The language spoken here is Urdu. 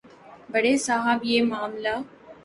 بڑے صاحب یہ معاملہ